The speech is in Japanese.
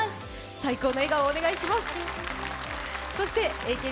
最高の笑顔をお願いします。